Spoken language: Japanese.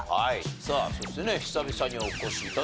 さあそしてね久々にお越し頂きました。